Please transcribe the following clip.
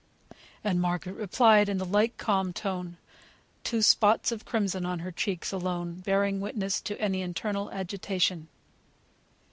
And Margaret replied in the like calm tone, two spots of crimson on her cheeks alone bearing witness to any internal agitation.